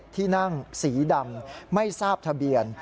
ที่นั่งสีดำไม่ทราบทะเบียน